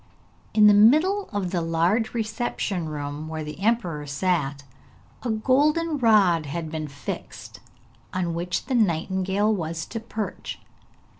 In the middle of the large reception room where the emperor sat a golden rod had been fixed, on which the nightingale was to perch.